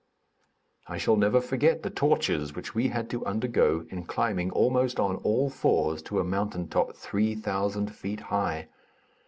I shall never forget the tortures which we had to undergo in climbing almost on all fours to a mountain top, three thousand feet high.